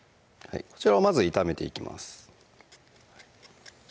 こちらをまず炒めていきます